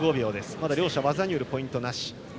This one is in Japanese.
まだ両者、技によるポイントなし。